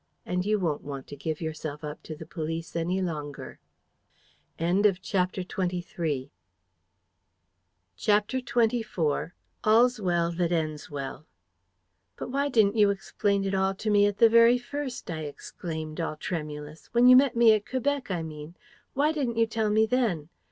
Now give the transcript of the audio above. And you won't want to give yourself up to the police any longer." CHAPTER XXIV. ALL'S WELL THAT ENDS WELL "But why didn't you explain it all to me at the very first?" I exclaimed, all tremulous. "When you met me at Quebec, I mean why didn't you tell me then?